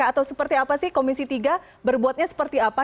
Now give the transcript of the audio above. atau seperti apa sih komisi tiga berbuatnya seperti apa